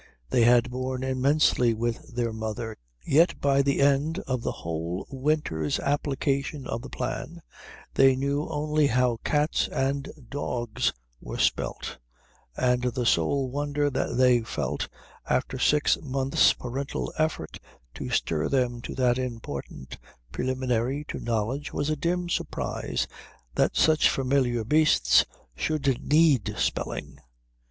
They had borne immensely with their mother. Yet by the end of a whole winter's application of the plan they knew only how cats and dogs were spelt, and the sole wonder that they felt after six months' parental effort to stir them to that important preliminary to knowledge was a dim surprise that such familiar beasts should need spelling.